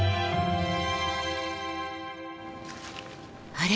あれ？